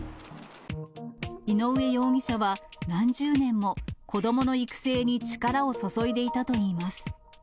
井上容疑者は、何十年も子どもの育成に力を注いでいたといいます。